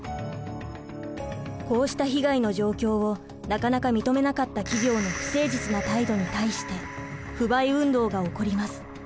こうした被害の状況をなかなか認めなかった企業の不誠実な態度に対して不買運動が起こります。